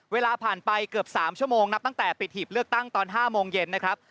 เวลาผ่านไปเกือบ๓ชั่วโมงนับตั้งแต่ปิดหีบเลือกตั้งตอน๕โมงเย็นนะครับ